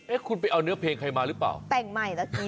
คุณไปเอาเนื้อเพลงใครมาหรือเปล่าแต่งใหม่เหรอจ๊ะ